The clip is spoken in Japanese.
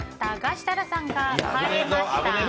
設楽さん、変えました。